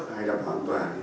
hay đảm bảo an toàn